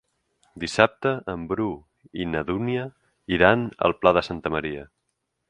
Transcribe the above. Dissabte en Bru i na Dúnia iran al Pla de Santa Maria.